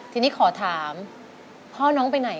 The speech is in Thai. ทั้งในเรื่องของการทำงานเคยทำนานแล้วเกิดปัญหาน้อย